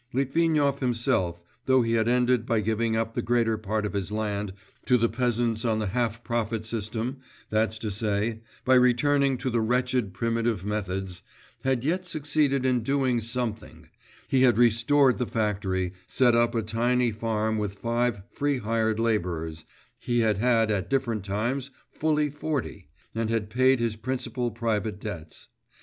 Litvinov himself, though he had ended by giving up the greater part of his land to the peasants on the half profit system, that's to say, by returning to the wretched primitive methods, had yet succeeded in doing something; he had restored the factory, set up a tiny farm with five free hired labourers he had had at different times fully forty and had paid his principal private debts....